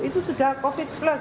itu sudah covid plus